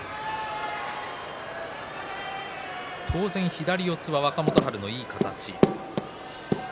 当然、左四つは若元春のいい形。